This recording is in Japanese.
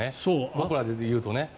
僕らで言うとね。